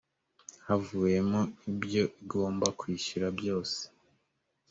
havuyemo ibyo igomba kwishyura byose